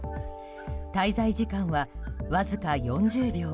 滞在時間はわずか４０秒。